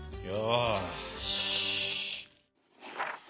よし。